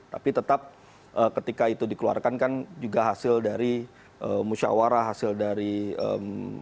tapi tetap ketika itu dikeluarkan kan juga hasil dari musyawarah hasil dari ee